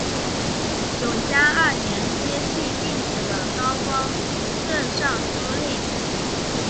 永嘉二年接替病死的高光任尚书令。